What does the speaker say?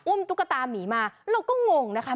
ตุ๊กตามีมาเราก็งงนะคะ